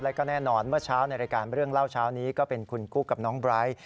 แล้วก็แน่นอนเมื่อเช้าในรายการเรื่องเล่าเช้านี้ก็เป็นคุณคู่กับน้องไบร์ท